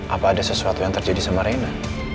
apa ada sesuatu yang terjadi sama reina